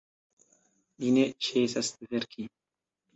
Li ne ĉesas verki.